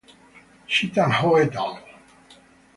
Chi-Tang Ho et al.